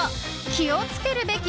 気を付けるべき？